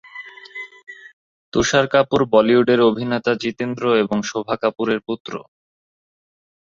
তুষার কাপুর বলিউড এর অভিনেতা জিতেন্দ্র এবং শোভা কাপুরের পুত্র।